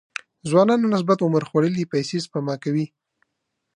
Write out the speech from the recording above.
ځوانانو نسبت عمر خوړلي پيسې سپما کوي.